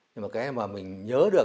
nhưng mà cái mà mình nhớ được